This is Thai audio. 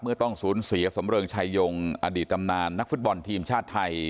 ต้องสูญเสียสำเริงชายงอดีตตำนานนักฟุตบอลทีมชาติไทย